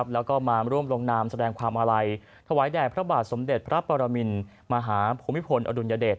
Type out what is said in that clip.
แล้วก็มาร่วมลงนามแสดงความอาลัยถวายแด่พระบาทสมเด็จพระปรมินมหาภูมิพลอดุลยเดช